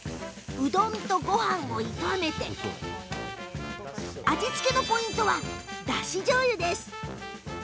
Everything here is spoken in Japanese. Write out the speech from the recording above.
うどんとごはんを炒めて味付けのポイントはだしじょうゆです。